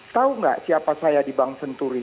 tahu nggak siapa saya di bank senturi